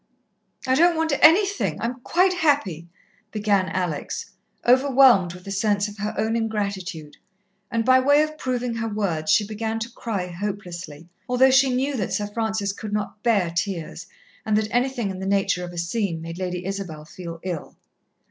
"I don't want anything; I'm quite happy," began Alex, overwhelmed with the sense of her own ingratitude; and by way of proving her words she began to cry hopelessly, although she knew that Sir Francis could not bear tears, and that anything in the nature of a scene made Lady Isabel fed ill.